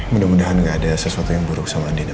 mudah mudahan gak ada sesuatu yang buruk sama andina